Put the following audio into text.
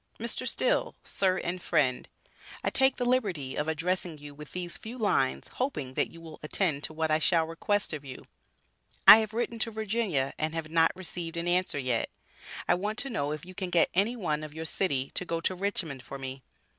Mr. Still: Sir and Friend I take the liberty of addressing you with these few lines hoping that you will attend to what I shall request of you. I have written to Virginia and have not received an answer yet. I want to know if you can get any one of your city to go to Richmond for me.